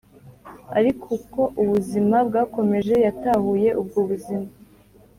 ariko uko ubuzima bwakomeje yatahuye ubwo buzima